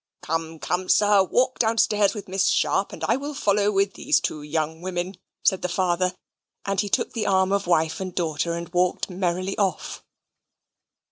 "Come, come, sir, walk downstairs with Miss Sharp, and I will follow with these two young women," said the father, and he took an arm of wife and daughter and walked merrily off.